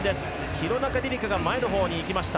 廣中璃梨佳が前のほうに行きました。